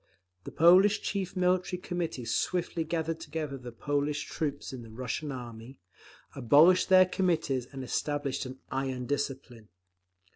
The Polish Chief Military Committee swiftly gathered together the Polish troops in the Russian army, abolished their Committees and established an iron discipline….